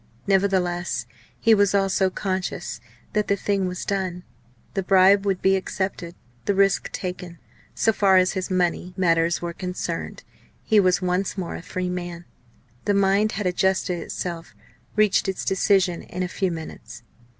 Nevertheless, he was also conscious that the thing was done. The bribe would be accepted, the risk taken. So far as his money matters were concerned he was once more a free man. The mind had adjusted itself, reached its decision in a few minutes.